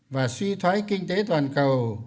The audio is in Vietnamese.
và suy thoái kinh tế toàn cầu